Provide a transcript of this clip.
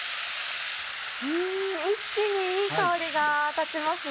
一気にいい香りが立ちますね。